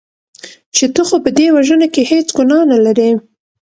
چې ته خو په دې وژنه کې هېڅ ګناه نه لرې .